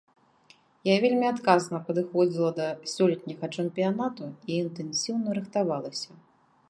Я вельмі адказна падыходзіла да сёлетняга чэмпіянату і інтэнсіўна рыхтавалася.